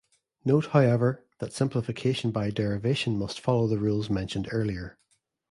Note, however, that simplification by derivation must follow the rules mentioned earlier.